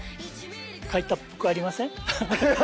書いたっぽくありません？